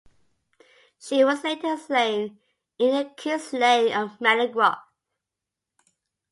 She was later slain in the Kinslaying of Menegroth.